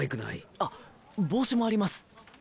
あ帽子もあります！